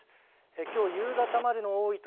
きょう夕方までの多い所